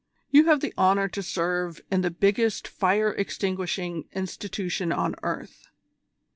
You have the honour to serve in the biggest fire extinguishing institution on earth.